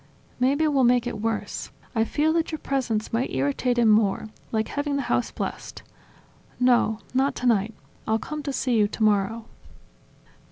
"Maybe we'll make it worse: I fear that your presence might irritate him more, like having the house blessed. No, not tonight. I'll come to see you tomorrow